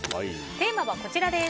テーマは、こちらです。